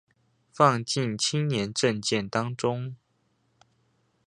放進青年政見當中